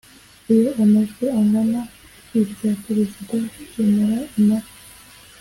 iyo amajwi angana irya perezida rikemura impaka